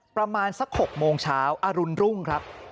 ประมาณสัก๖โมงเช้าอรุณรุ่งครับ